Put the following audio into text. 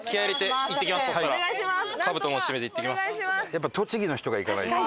やっぱり栃木の人が行かないと。